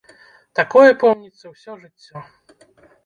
Такое помніцца ўсё жыццё.